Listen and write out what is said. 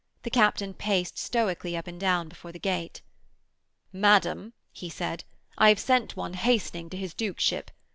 The captain paced stoically up and down before the gate. 'Madam,' he said, 'I have sent one hastening to his duke ship.